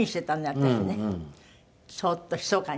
私ねそっとひそかに。